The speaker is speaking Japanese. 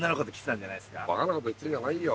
ばかなこと言ってんじゃないよ。